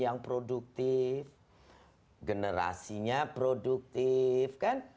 yang produktif generasinya produktif